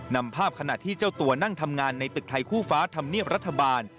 นำภาพขณะที่เจ้าตัวนั่งทำงานในตึกไทยคู่ฟ้าธรรมเนียบรัฐบาล